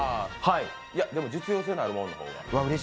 でも、実用性のあるものの方が。